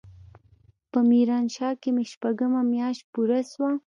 په ميرانشاه کښې مې شپږمه مياشت پوره سوه.